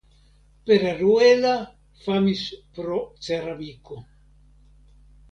Pereruela famis pro ceramiko.